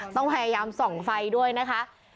ต้องพยายามส่องไฟด้วยนะคะ